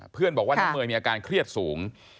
บอกว่าน้องเมย์มีอาการเครียดสูง